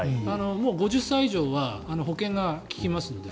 もう５０歳以上は保険が利きますので。